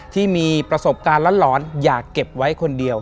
ที่มีประสบการณ์หลอนอยากเก็บไว้คนเดียว